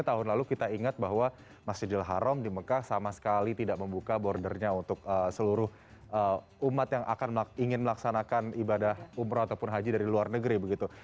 tahun lalu kita ingat bahwa masjidil haram di mekah sama sekali tidak membuka bordernya untuk seluruh umat yang ingin melaksanakan ibadah umroh ataupun haji dari luar negeri begitu